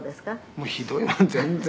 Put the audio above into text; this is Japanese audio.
「もうひどいもん全然」